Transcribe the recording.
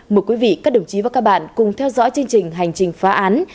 mời quý vị các đồng chí và các bạn cùng theo dõi chương trình hành trình phá án